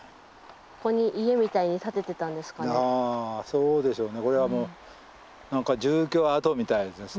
そうでしょうね。